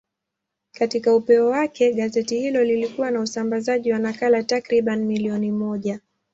Katika upeo wake, gazeti hilo lilikuwa na usambazaji wa nakala takriban milioni moja.